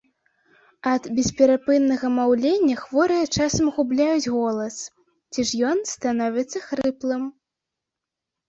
Ад бесперапыннага маўлення хворыя часам губляюць голас, ці ж ён становіцца хрыплым.